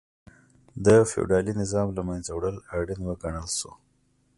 د فیوډالي نظام له منځه وړل اړین وګڼل شو.